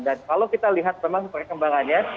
dan kalau kita lihat memang perkembangannya